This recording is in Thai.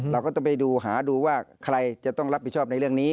เราก็ต้องไปดูหาดูว่าใครจะต้องรับผิดชอบในเรื่องนี้